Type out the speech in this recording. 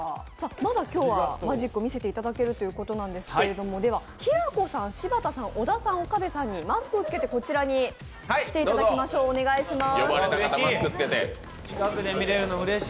まだ今日はマジックを見せていただけるということなんですが、きらこさん、柴田さん、小田さん、岡部さんにマスクを着けてこちらにお願いします。